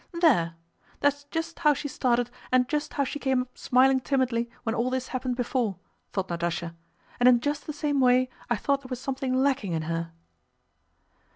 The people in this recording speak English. "There! That's just how she started and just how she came up smiling timidly when all this happened before," thought Natásha, "and in just the same way I thought there was something lacking in her."